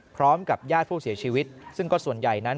พร้อมกับญาติผู้เสียชีวิตซึ่งก็ส่วนใหญ่นั้น